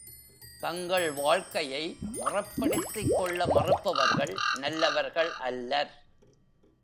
தங்கள் வாழ்க்கையை முறைப்படுத்திக் கொள்ள மறுப்பவர்கள் நல்லவர்கள் அல்லர்.